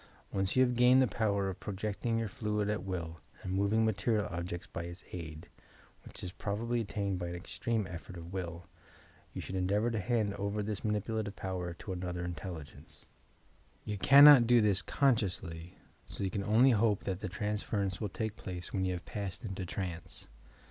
Once yon have gained the power of pro jecting your fluid at will and moving material objects by its aid (which is probably attained by an extreme effort of will) you should endeavour to hand over this manipu lative power to another iDtelligene^e. You cannot do this consciously so you can only hope that the transference will take plaee when you have passed into trance.